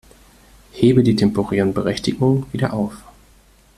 Hebe die temporären Berechtigungen wieder auf.